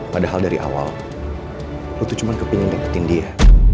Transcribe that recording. padahal dari awal lo tuh cuma kepengen deketin dia